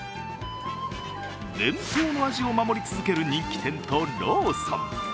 伝統の味を守り続ける人気店とローソン。